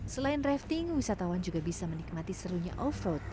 selain rafting wisatawan juga bisa menikmati serunya off road